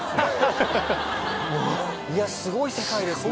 いやすごい世界ですね。